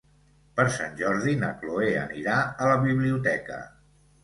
Per Sant Jordi na Cloè anirà a la biblioteca.